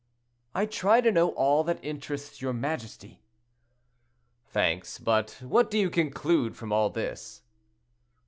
"I try to know all that interests your majesty." "Thanks; but what do you conclude from all this?"